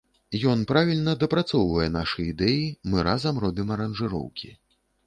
Ён правільна дапрацоўвае нашы ідэі, мы разам робім аранжыроўкі.